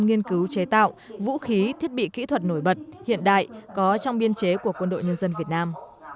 nghiên cứu chế tạo vũ khí thiết bị kỹ thuật nổi bật hiện đại có trong biên chế của quân đội nhân dân việt nam